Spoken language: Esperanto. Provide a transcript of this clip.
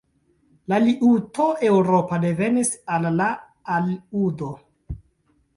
La liuto eŭropa devenis el la al-udo.